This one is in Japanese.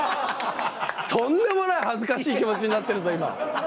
とんでもない恥ずかしい気持ちになってるぞ今。